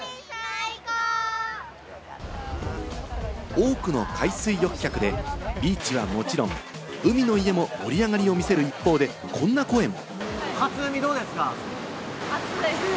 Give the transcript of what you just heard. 多くの海水浴客でビーチはもちろん、海の家も盛り上がりを見せる一方で、こんな声も。